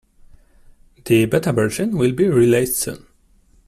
The Beta version will be released soon.